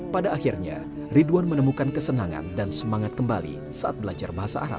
pada akhirnya ridwan menemukan kesenangan dan semangat kembali saat belajar bahasa arab